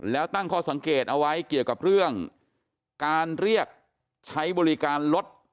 แล้วตั้งข้อสังเกตเอาไว้เกี่ยวกับเรื่องการเรียกใช้บริการรถ